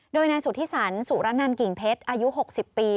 โดยนายสุธิสันสุรนันกิ่งเพชรอายุ๖๐ปี